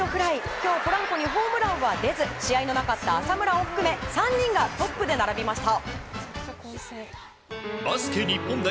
今日ポランコにホームランは出ず試合のなかった浅村を含め３人がトップで並びました。